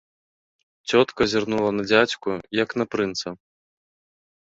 Цётка зірнула на дзядзьку, як на прынца.